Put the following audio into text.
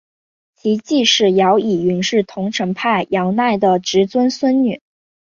其继室姚倚云是桐城派姚鼐的侄曾孙女。